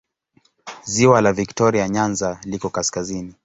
Ziwa la Viktoria Nyanza liko kaskazini.